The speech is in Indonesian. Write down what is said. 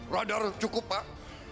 radar cukup pak